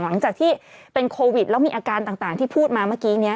หลังจากที่เป็นโควิดแล้วมีอาการต่างที่พูดมาเมื่อกี้นี้